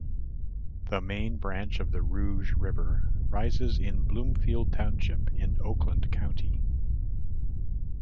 The main branch of the Rouge River rises in Bloomfield Township in Oakland County.